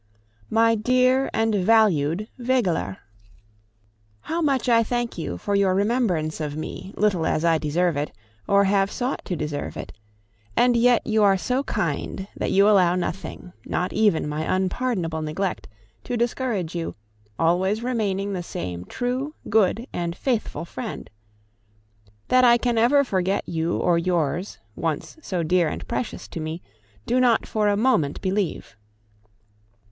MY DEAR AND VALUED WEGELER, How much I thank you for your remembrance of me, little as I deserve it, or have sought to deserve it; and yet you are so kind that you allow nothing, not even my unpardonable neglect, to discourage you, always remaining the same true, good, and faithful friend. That I can ever forget you or yours, once so dear and precious to me, do not for a moment believe.